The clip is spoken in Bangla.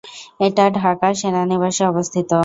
এটি ঢাকা সেনানিবাসে অবস্থিত।